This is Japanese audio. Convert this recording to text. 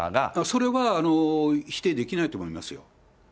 それは、否定できないと思いますよ。